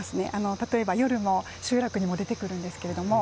例えば夜の集落にも出てくるんですが。